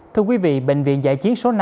thưa quý vị bệnh viện giải chiến số năm